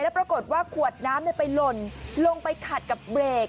ปรากฏว่าขวดน้ำไปหล่นลงไปขัดกับเบรก